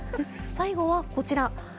最後はこちら。